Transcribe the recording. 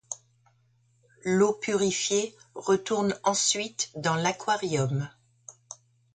L'eau purifiée retourne ensuite dans l'aquarium.